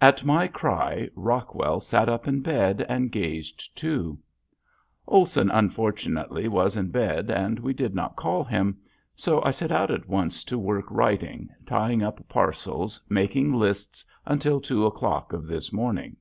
At my cry Rockwell sat up in bed and gazed too. Olson unfortunately was in bed and we did not call him. So I set at once to work writing, tying up parcels, making lists, until two o'clock of this morning.